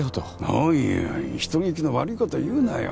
おいおい人聞きの悪いこと言うなよ。